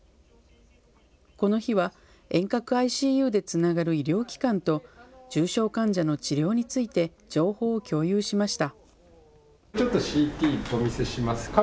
この日は遠隔ＩＣＵでつながる医療機関と重症患者の治療について情報を共有しました。